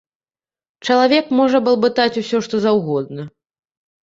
Чалавек можа балбатаць усё што заўгодна.